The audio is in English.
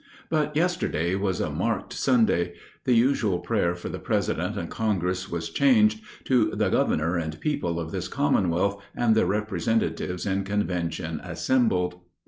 But yesterday was a marked Sunday. The usual prayer for the President and Congress was changed to the "governor and people of this commonwealth and their representatives in convention assembled."